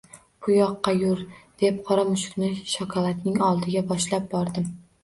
Bu yoqqa yur, deb qora mushukni shokoladning oldiga boshlab bordim